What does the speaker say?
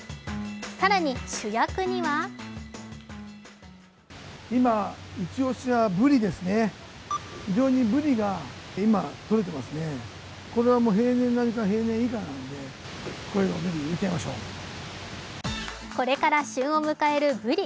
更に主役にはこれから旬を迎えるブリ。